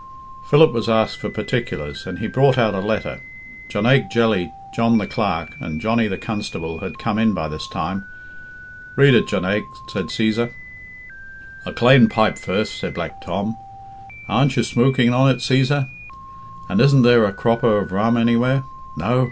Philip was asked for particulars, and he brought out a letter. Jonaique Jelly, John the Clerk, and Johnny the Constable had come in by this time. "Read it, Jonaique," said Cæsar. "A clane pipe first," said Black Tom. "Aren't you smook ing on it, Cæsar? And isn't there a croppa of rum anywhere? No!